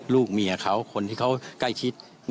ลูกเมียเขาคนที่เขาใกล้ชิด